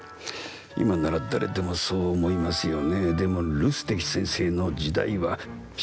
今なら誰でもそう思いますよね。